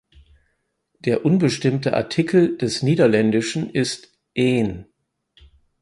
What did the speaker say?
Der unbestimmte Artikel des Niederländischen ist een.